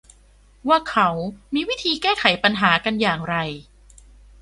ว่าเขามีวิธีแก้ไขปัญหากันอย่างไร